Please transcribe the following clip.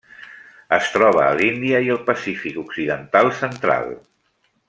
Es troba a l'Índia i el Pacífic occidental central.